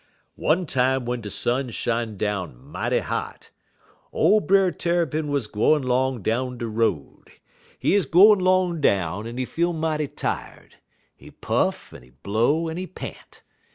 "One time w'en de sun shine down mighty hot, ole Brer Tarrypin wuz gwine 'long down de road. He 'uz gwine 'long down, en he feel mighty tired; he puff, en he blow, en he pant.